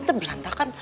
tapi dia berantakan